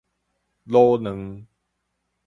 滷卵